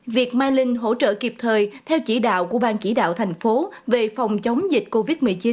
việc mai linh hỗ trợ kịp thời theo chỉ đạo của bang chỉ đạo thành phố về phòng chống dịch covid một mươi chín